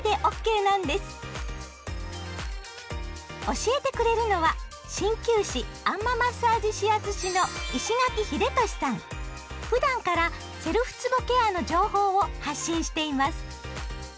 教えてくれるのは鍼灸師あん摩マッサージ指圧師のふだんからセルフつぼケアの情報を発信しています。